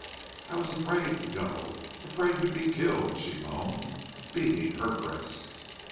"I was afraid to go afraid you'd be killed," she moaned, beating her breast.